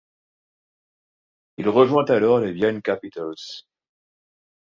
Il rejoint alors les Vienne Capitals.